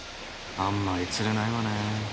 あんまり釣れないわね。